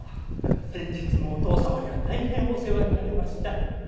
先日もお父さまには大変お世話になりました。